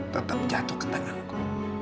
tetap jatuh ke tanganku